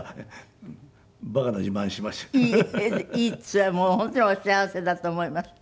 それはもう本当にお幸せだと思います。